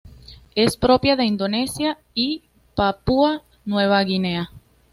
Es propia de Indonesia y Papúa Nueva Guinea.